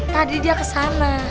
tadi dia kesana